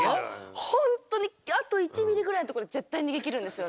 本当にあと１ｍｍぐらいのところで絶対逃げきるんですよね。